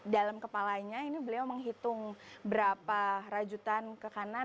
dalam kepalanya ini beliau menghitung berapa rajutan ke kanan